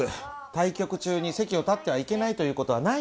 対局中に席を立ってはいけないという事はないんです。